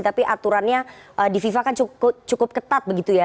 tapi aturannya di fifa kan cukup ketat begitu ya